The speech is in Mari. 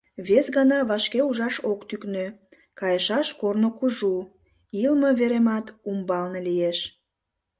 Вес гана вашке ужаш ок тӱкнӧ: кайышаш корно кужу, илыме веремат умбалне лиеш.